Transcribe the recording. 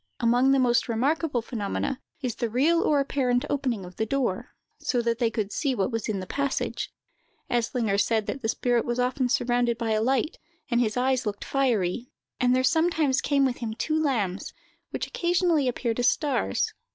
Among the most remarkable phenomena, is the real or apparent opening of the door, so that they could see what was in the passage. Eslinger said that the spirit was often surrounded by a light, and his eyes looked fiery; and there sometimes came with him two lambs, which occasionally appeared as stars.